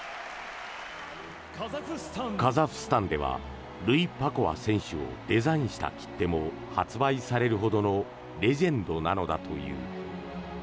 カザフスタンではルイパコワ選手をデザインした切手も発売されるほどのレジェンドなのだという。